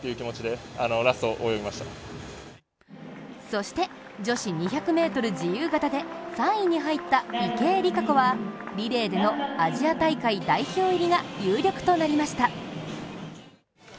そして、女子２００ｍ自由形で３位に入った池江璃花子は、リレーでのアジア大会代表入りが有力となりました。